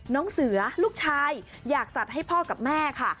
น้องเสือลูกชายอยากจัดให้พ่อกับแม่ค่ะ